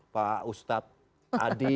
pak ustadz adi